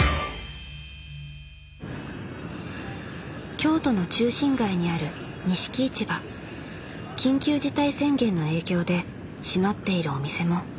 京都の中心街にある緊急事態宣言の影響で閉まっているお店もちらほら。